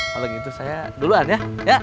kalau gitu saya duluan ya